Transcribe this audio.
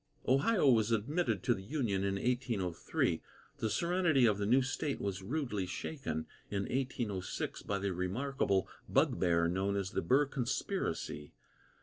Ohio was admitted to the Union in 1803. The serenity of the new state was rudely shaken, in 1806, by the remarkable bugbear known as the "Burr Conspiracy."